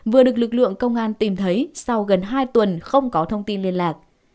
vừa được lực lượng công an tìm thấy sau gần hai tuần không có thông tin liên lạc